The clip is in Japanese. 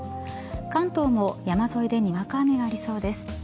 関東も山沿いでにわか雨がありそうです。